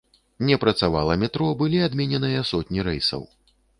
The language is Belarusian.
Не працавала метро, былі адмененыя сотні рэйсаў.